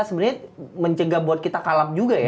sebenarnya mencegah buat kita kalap juga ya